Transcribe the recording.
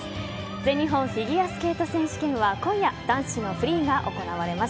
全日本フィギュアスケート選手権は今夜、男子のフリーが行われます。